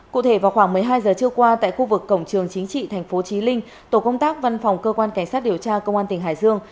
cụ thể vào khoảng một mươi hai giờ trưa qua tại khu vực cổng trường chính trị thành phố trí linh tổ công tác văn phòng cơ quan cảnh sát điều tra công an tỉnh hải dương